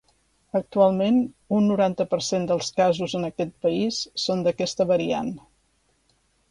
Actualment, un noranta per cent dels casos en aquest país són d’aquesta variant.